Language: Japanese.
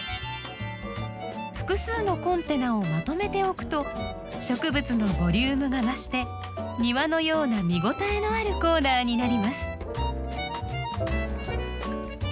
複数のコンテナをまとめて置くと植物のボリュームが増して庭のような見応えのあるコーナーになります。